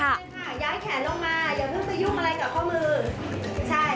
ย้ายแขนลงมาอย่าเพิ่งไปยุ่งอะไรกับข้อมือ